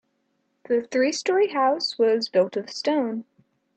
The three story house was built of stone.